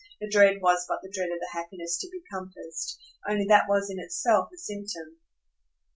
The dread was but the dread of the happiness to be compassed; only that was in itself a symptom.